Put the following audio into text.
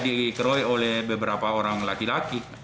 di kukul kakak